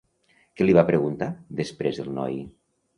Què li va preguntar després el noi?